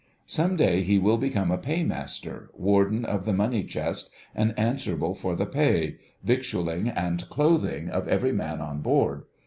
Some day he will become a Paymaster, warden of the money chest, and answerable for the pay, victualling, and clothing of every man on board.